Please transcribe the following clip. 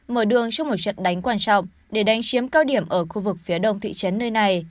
mở đường cho một trận đánh quan trọng để đánh chiếm cao điểm ở khu vực phía đông thị trấn nơi này